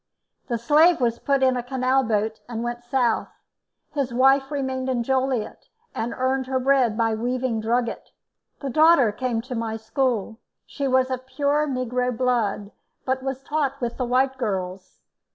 The slave was put in a canal boat and went south; his wife remained in Joliet and earned her bread by weaving drugget; the daughter came to my school; she was of pure negro blood, but was taught with the white girls.